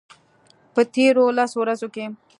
په تیرو لسو ورځو کې